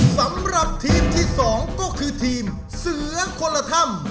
สำหรับทีมที่๒ก็คือทีมเสือคนละถ้ำ